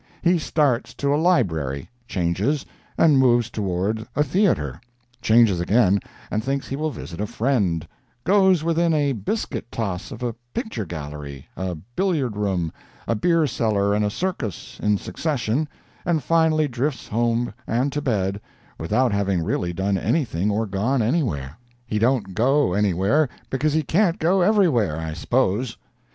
He starts to a library; changes, and moves toward a theatre; changes again and thinks he will visit a friend; goes within a biscuit toss of a picture gallery, a billiard room, a beer cellar and a circus, in succession, and finally drifts home and to bed, without having really done anything or gone anywhere. He don't go anywhere because he can't go everywhere, I suppose.